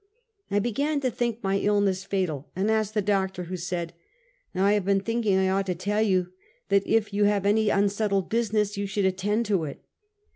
I began to think my ill ness fatal, and asked the doctor, who said : "I have been thinking I ought to tell you that if you have any unsettled business you should attend to it."